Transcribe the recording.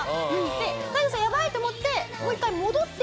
でタイトさんやばい！と思ってもう一回戻って